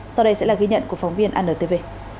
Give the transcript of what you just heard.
sau đây sẽ là ghi nhận của phóng viên antv